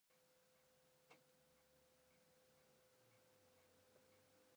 嗚呼可哀想に